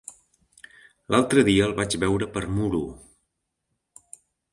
L'altre dia el vaig veure per Muro.